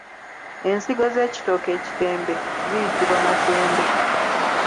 Ensigo z’ekitooke ekitembe ziyitibwa matembe.